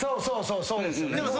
そうそうそうですよね。